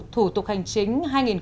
thủ tục hành chính hai nghìn một mươi tám